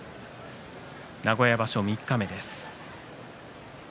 名古屋場所三日目です。